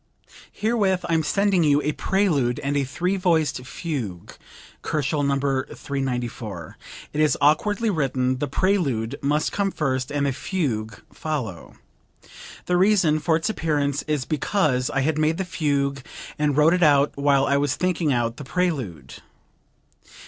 "Herewith I am sending you a Prelude and a three voiced Fugue (Kochel, No. 394)....It is awkwardly written; the prelude must come first and the fugue follow. The reason for its appearance is because I had made the fugue and wrote it out while I was thinking out the prelude."